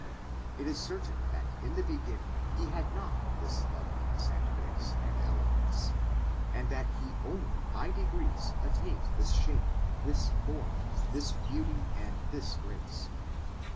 It is certain that in the beginning he had not this loveliness and grace and elegance, and that he only by degrees attained this shape, this form, this beauty, and this grace.